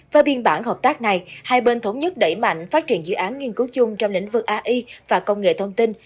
về biên bản hợp tác này hai bên thống nhất đẩy mạnh phát triển dự án nghiên cứu chung trong lĩnh vực ai và công nghệ thông tin